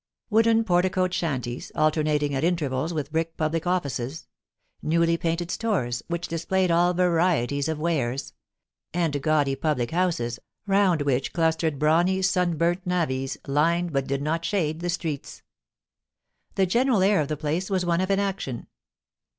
Wooden porticoed shanties, alternating at intervals with brick public offices ; newly painted stores, which displayed all varieties of wares ; and gaudy public houses, round which clustered brawny, sunburnt navvies, lined, but did not shade, the streets. The general air of the place was one of inaction.